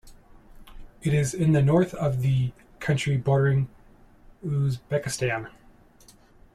It is in the north of the country, bordering Uzbekistan.